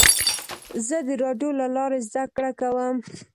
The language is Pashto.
زه د راډیو له لارې زده کړه کوم.